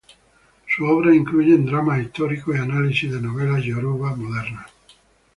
Sus obras incluyen dramas históricos y análisis de novelas yoruba modernas.